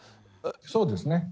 そうですね。